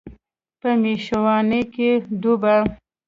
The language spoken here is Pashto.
په میشواڼۍ کې ډوبه